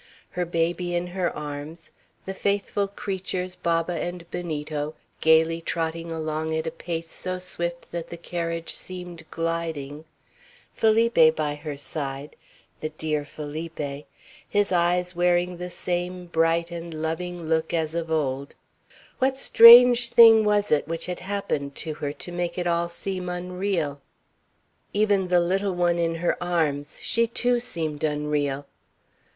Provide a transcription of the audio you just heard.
Her baby in her arms; the faithful creatures, Baba and Benito, gayly trotting along at a pace so swift that the carriage seemed gliding; Felipe by her side, the dear Felipe, his eyes wearing the same bright and loving look as of old, what strange thing was it which had happened to her to make it all seem unreal? Even the little one in her arms, she too, seemed unreal!